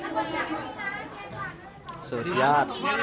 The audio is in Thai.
ขอบคุณครับ